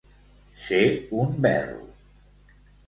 Ser un verro.